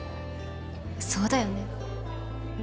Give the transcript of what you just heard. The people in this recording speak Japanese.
そうだよね。